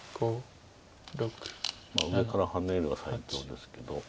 上からハネるのが最強ですけど。